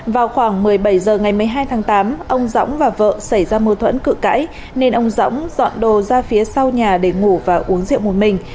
vào khoảng một mươi bảy h ngày một mươi hai tháng tám ông dõng và vợ xảy ra mô thuẫn cự cãi nên ông dõng dọn đồ ra phía sau nhà để ngủ và uống rượu một mình